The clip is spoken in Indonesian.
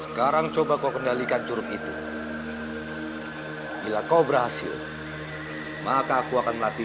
sekarang coba kau kendalikan curug itu bila kau berhasil maka aku akan melatih